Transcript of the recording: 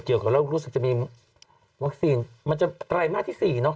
เกี่ยวกับโรครู้สึกจะมีวัคซีนมันจะไตรมาสที่๔เนอ